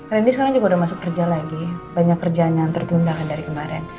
randy sekarang juga udah masuk kerja lagi banyak kerjaan yang tertunda kan dari kemarin